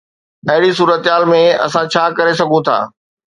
اهڙي صورتحال ۾ اسان ڇا ڪري سگهون ٿا؟